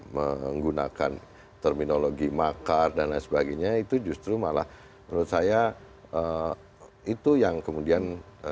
menggunakan terminologi makar dan lain sebagainya itu justru malah menurut saya itu yang kemudian